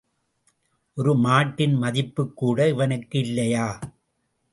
ஒரு மாட்டின் மதிப்புக்கூட இவனுக்கு இல்லையா?